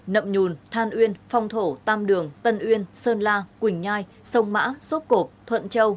nậm nhùn than uyên phong thổ tam đường tân uyên sơn la quỳnh nhai sông mã sốt cộp thuận châu